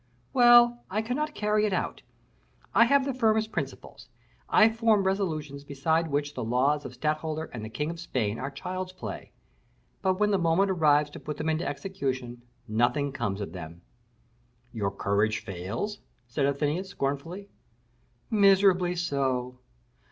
_" "Well, I cannot carry it out. I have the firmest principles; I form resolutions beside which the laws of the Stadtholder and of the King of Spain are child's play; but when the moment arrives to put them into execution, nothing comes of them." "Your courage fails?" said Athenais, scornfully. "Miserably so."